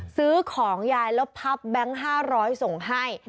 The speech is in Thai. ซื้อของยายแล้วพับแบงค์๕๐๐ส่งให้